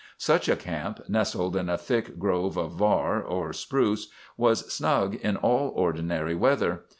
"Such a camp, nestled in a thick grove of "var" or spruce, was snug in all ordinary weather.